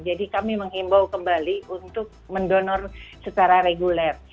jadi kami mengimbau kembali untuk mendonor secara reguler